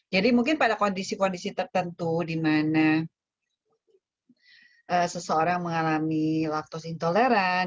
jadi mungkin pada kondisi kondisi tertentu di mana seseorang mengalami laktos intoleran